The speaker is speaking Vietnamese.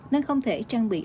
nên không thể trang bị